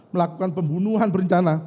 melakukan pembunuhan berencana